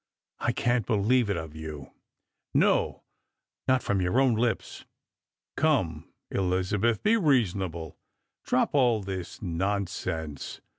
I won't believe it of you ; no, not from your own lips. Come, Elizabeth, be reasonable ; drop all this nonsense.